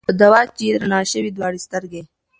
په دوا چي یې رڼا سوې دواړي سترګي